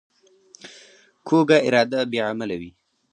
کوږه اراده بې عمله وي